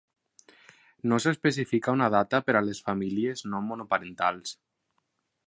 No s'especifica una data per a les famílies no monoparentals.